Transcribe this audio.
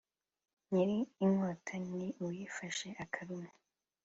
Nyiri inkota ni uyifashe akarumyo.